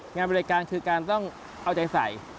งานบริการคือการต้องเอาใจใส่